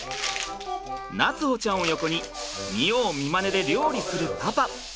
夏歩ちゃんを横に見よう見まねで料理するパパ。